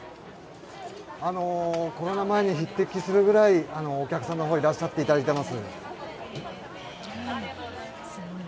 コロナ前に匹敵するくらいお客さんの方、いらっしゃっていただいてます。